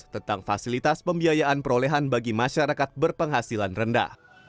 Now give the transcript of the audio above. tentang fasilitas pembiayaan perolehan bagi masyarakat berpenghasilan rendah